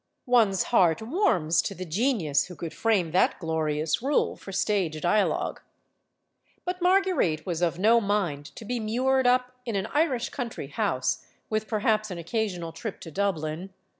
One's heart warms to the genius who could frame that glorious rule for stage dialogue. But Marguerite was of no mind to be mured up in an Irish country house, with perhaps an occasional trip to Dublin.